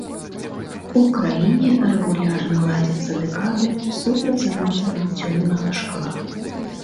У краіне рэгулярна ладзяцца дэкады супраць аматараў цёмнага шкла.